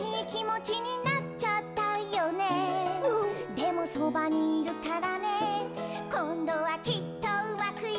「でもそばにいるからねこんどはきっとうまくいくよ！」